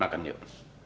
ma makan yuk